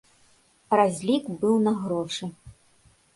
Разлік быў на грошы.